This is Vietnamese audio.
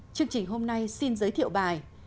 chương trình hôm nay xin giới thiệu bài